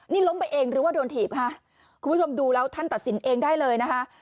นี่ล้มไปเองหรือว่าโดนถีบค่ะคุณผู้ชมดูแล้วท่านตัดสินเองได้เลยนะคะ